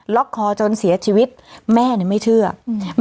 คอจนเสียชีวิตแม่เนี้ยไม่เชื่ออืม